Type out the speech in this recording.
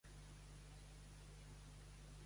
Dent de rata, cara guapa.